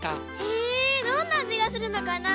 へぇどんなあじがするのかな？